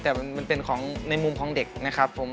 แต่มันเป็นของในมุมของเด็กนะครับผม